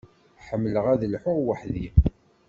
Ḥemmleɣ ad lḥuɣ weḥd-i.